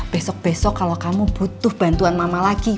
besok besok kalau kamu butuh bantuan mama lagi